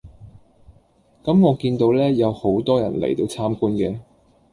咁我見到呢有好多人嚟到參觀嘅